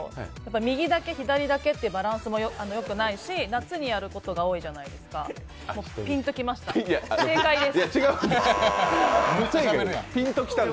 右だけ、左だけってバランスもよくないし夏にやることが多いじゃないですか、ピンときました、正解です。